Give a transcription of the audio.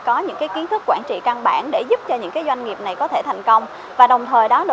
ở nhiều đơn vị